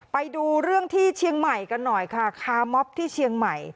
ไปดูเรื่องที่เชียงใหม่กันหน่อยค่ะคามอบที่เชียงใหม่